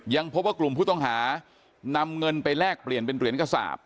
พบว่ากลุ่มผู้ต้องหานำเงินไปแลกเปลี่ยนเป็นเหรียญกระสาป